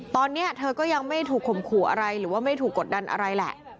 ตอนนี้เธอก็ยังไม่ถูกข่มขู่อะไรหรือว่าไม่ถูกกดดันอะไรแหละ